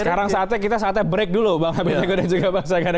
sekarang saatnya kita break dulu bang abed nego dan juga bang sagan